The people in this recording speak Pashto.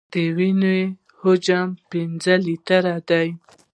د وینې حجم پنځه لیټره دی.